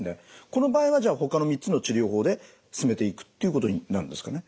この場合はじゃあほかの３つの治療法で進めていくっていうことになるんですかね？